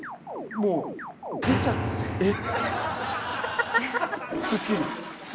えっ。